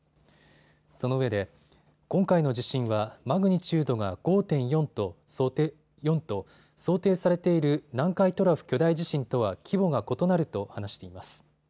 そのうえで今回の地震はマグニチュードが５．４と想定されている南海トラフ巨大地震とは規模が異なると話しています。